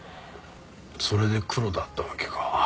それでクロだったわけか。